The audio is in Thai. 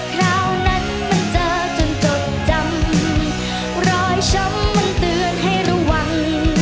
คราวนั้นมันเจอจนจดจำรอยชมมันเตือนให้ระวัง